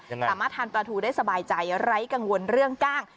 สามารถทานปลาทูได้สบายใจไร้กังวลเรื่องกล้าง